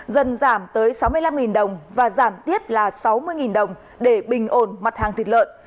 dần giảm tới sáu mươi năm đồng và giảm tiếp là sáu mươi đồng để bình ổn mặt hàng thịt lợn